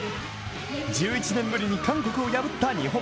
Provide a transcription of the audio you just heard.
１１年ぶりに韓国を破った日本。